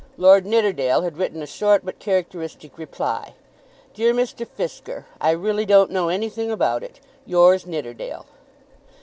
Lord Nidderdale had written a short but characteristic reply. "Dear Mr. Fisker, I really don't know anything about it. Yours, Nidderdale."